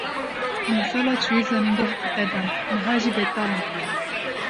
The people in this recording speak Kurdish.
Min sala çûyî zanîngeh qedand, niha jî betal im.